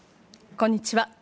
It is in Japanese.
こんにちは。